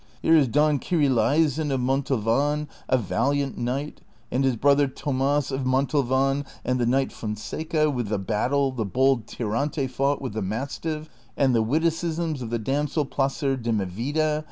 Here is Don Kyrieleison of Montalvan^ a valiant knight, and his brother Thomas of Montalvan, and the knight Fonseca, with the battle .the bold Tirante fought with the mastiff, and the witticisms of the damsel Placerdemivida.